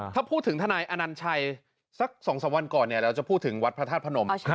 ถ้าพูดถึงทนายอนัญชัยสัก๒๓วันก่อนเราจะพูดถึงวัดพระธาตุพนม